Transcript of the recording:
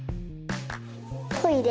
トイレ。